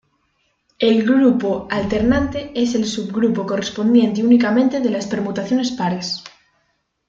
El grupo alternante es el subgrupo correspondiente únicamente de las permutaciones pares.